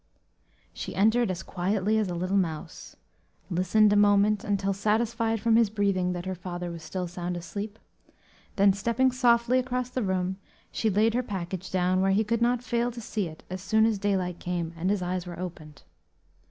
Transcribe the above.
She entered as quietly as a little mouse, listened a moment until satisfied from his breathing that her father was still sound asleep, then, stepping softly across the room, she laid her package down where he could not fail to see it as soon as daylight came and his eyes were opened.